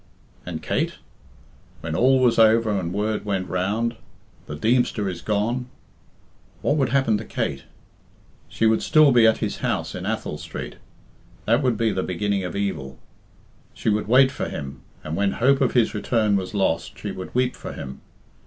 And Kate? When all was over and word went round, "The Deemster is gone," what would happen to Kate? She would still be at his house in Athol Street. That would be the beginning of evil! She would wait for him, and when hope of his return was lost, she would weep for him.